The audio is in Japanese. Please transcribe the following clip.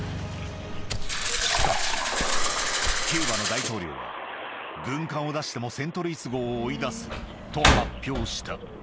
しかし、キューバの大統領は、軍艦を出してもセントルイス号を追い出すと発表した。